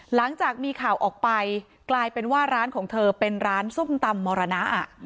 หลังจากมีข่าวออกไปกลายเป็นว่าร้านของเธอเป็นร้านส้มตำมรณะ